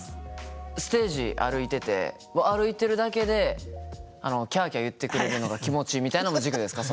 ステージ歩いてて歩いてるだけでキャキャ言ってくれるのが気持ちいいみたいのも軸ですか？